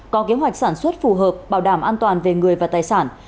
có kế hoạch sản xuất phù hợp bảo đảm an toàn về người và tài sản